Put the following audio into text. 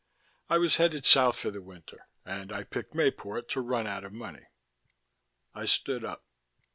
I was headed south for the winter, and I picked Mayport to run out of money." I stood up.